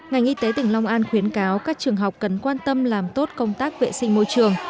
ngành y tế tỉnh long an khuyến cáo các trường học cần quan tâm làm tốt công tác vệ sinh môi trường